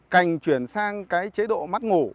cành chuyển sang cái chế độ mắt ngủ